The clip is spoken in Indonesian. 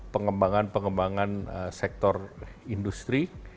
pengembangan pengembangan sektor industri